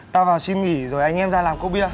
tao vào xin nghỉ rồi anh em ra làm cốc bia